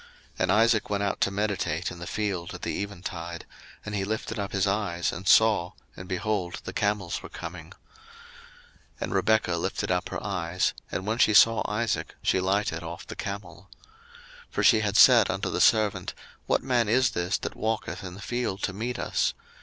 01:024:063 And Isaac went out to meditate in the field at the eventide: and he lifted up his eyes, and saw, and, behold, the camels were coming. 01:024:064 And Rebekah lifted up her eyes, and when she saw Isaac, she lighted off the camel. 01:024:065 For she had said unto the servant, What man is this that walketh in the field to meet us?